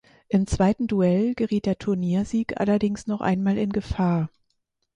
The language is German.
Im zweiten Duell geriet der Turniersieg allerdings noch einmal in Gefahr.